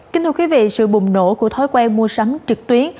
kính thưa quý vị sự bùng nổ của thói quen mua sắm trực tuyến